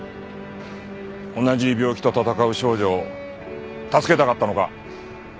同じ病気と闘う少女を助けたかったのか？